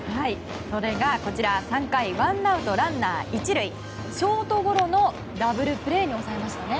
それが、３回ワンアウトランナー１塁ショートゴロのダブルプレーに抑えましたね。